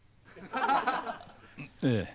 ええ。